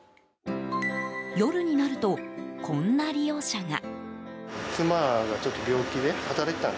夜になると、こんな利用者が。